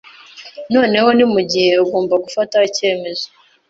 Noneho ni mugihe ugomba gufata icyemezo.